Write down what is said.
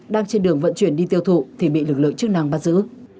đang trên đường vận chuyển đi tiêu thụ thì bị lực lượng chức năng bắt giữ